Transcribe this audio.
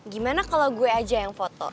gimana kalau gue aja yang foto